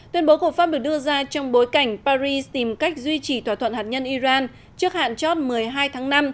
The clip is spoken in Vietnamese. tuyên bố của pháp được đưa ra trong bối cảnh paris tìm cách duy trì thỏa thuận hạt nhân iran trước hạn chót một mươi hai tháng năm